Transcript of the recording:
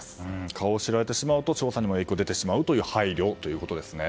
顔を知られてしまうと調査にも影響が出てしまうという配慮ということですね。